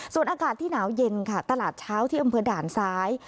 ส่วนอากาศที่หนาวเย็นค่ะตลาดเช้าที่อำเภอด่านซ้าย